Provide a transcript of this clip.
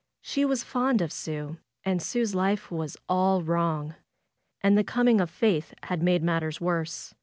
She was fond of Sue, and Sue's life was all wrong. And the coming of Faith had made matters worse.